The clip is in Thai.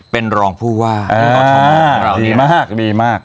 เป็นรองผู้ว่าดีมากดีมาก